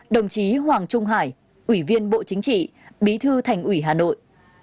một mươi năm đồng chí hoàng trung hải ủy viên bộ chính trị bí thư thành ủy hà nội